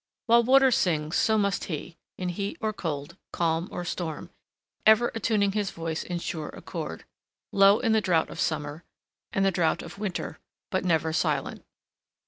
While water sings, so must he, in heat or cold, calm or storm, ever attuning his voice in sure accord; low in the drought of summer and the drought of winter, but never silent.